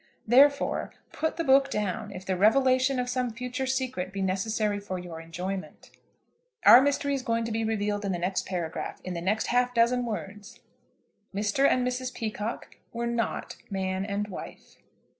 Therefore, put the book down if the revelation of some future secret be necessary for your enjoyment. Our mystery is going to be revealed in the next paragraph, in the next half dozen words. Mr. and Mrs. Peacocke were not man and wife.